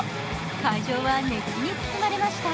会場は熱気に包まれました。